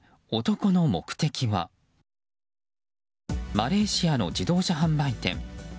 マレーシアの自動車販売店。